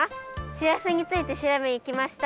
しらすについてしらべにきました。